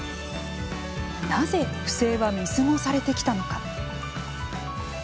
なぜ不正は見過ごされてきたのか。